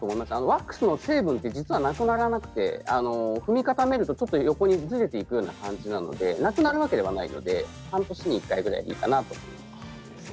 ワックスの成分はなくならなくて踏み固めると横にずれていくような感じなのでなくなるわけではないので半年に１回くらいでいいと思います。